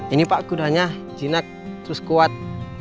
ini pak kudanya jinak terus kuat